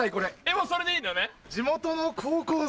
もうそれでいいんだよね？